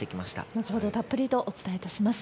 後ほどたっぷりとお伝えいたします。